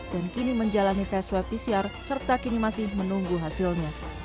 dan kini menjalani tes swab pcr serta kini masih menunggu hasilnya